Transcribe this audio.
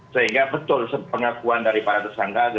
sehingga betul pengakuan dari para tersangka